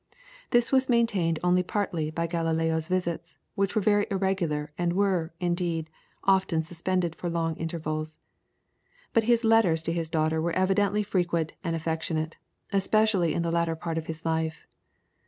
This was maintained only partly by Galileo's visits, which were very irregular and were, indeed, often suspended for long intervals. But his letters to this daughter were evidently frequent and affectionate, especially in the latter part of his life.